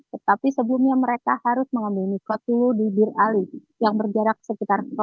tetapi sebelumnya mereka harus mengambil mikot dulu di bir ali yang berjarak sekitar empat belas